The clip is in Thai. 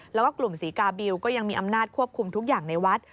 แล้วก็กลุ่มศรีกาบิลก็ยังมีอำนาจควบคุมทุกอย่างในวัด